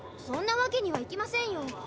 そんなわけにはいきませんよ。